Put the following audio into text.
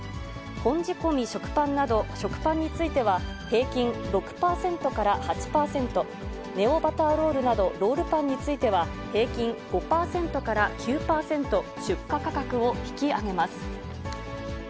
本仕込食パンなど食パンについては、平均６％から８％、ネオバターロールなど、ロールパンについては、平均５％から９％、出荷価格を引き上げます。